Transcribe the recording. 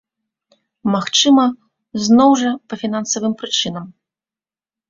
Магчыма, зноў жа па фінансавым прычынам.